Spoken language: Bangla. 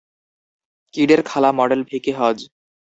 কিডের খালা মডেল ভিকি হজ।